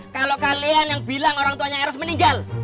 kalau kalian yang bilang orang tuanya harus meninggal